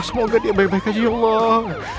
semoga dia baik baik aja ya allah